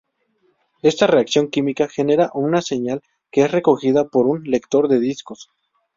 Esta reacción química genera una señal que es recogida por un lector de discos.